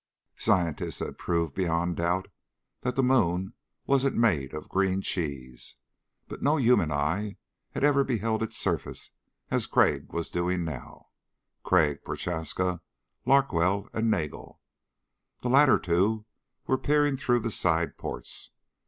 Scientists had proved beyond doubt that the moon wasn't made of green cheese. But no human eye had ever beheld its surface as Crag was doing now Crag, Prochaska, Larkwell and Nagel. The latter two were peering through the side ports.